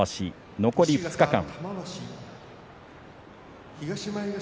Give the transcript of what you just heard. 残り２日間。